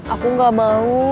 aku gak mau